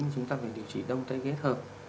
chúng ta phải điều trị đông tay kết hợp